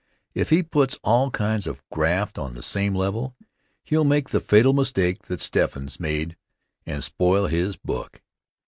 If he puts all kinds of graft on the same level, he'll make the fatal mistake that Steffens made and spoil his book.